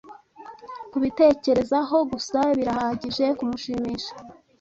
Kubitekerezaho gusa birahagije kunshimisha.